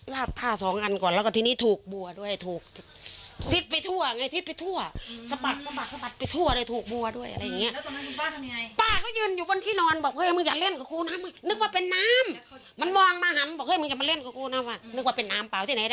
ลาถจากบนผ้าก็สะบัดมาโดนบัว